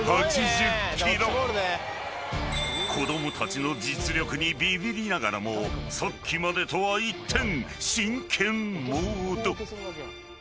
［子供たちの実力にビビりながらもさっきまでとは一転］